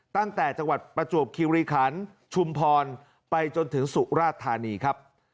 ตั้งแต่จังหวัดประจวบคิวรีคันชุมพรไปจนถึงสุราธานีครับ